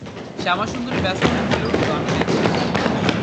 শ্যামাসুন্দরী ব্যস্ত হয়ে বলে উঠল, আমি দেখে আসছি।